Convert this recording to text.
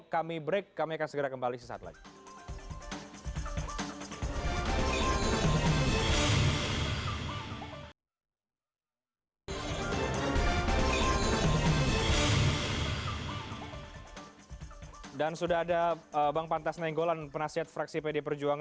kami break kami akan segera kembali sesaat lagi